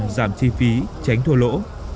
đi phí tránh thua lỗ